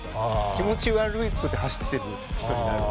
気持ち悪くて走ってる人になる。